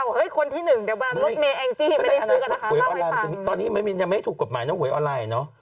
หวยออนไลน์ตอนนี้ยังไม่ถูกกฎหมายนะหวยออนไลน์เนอะ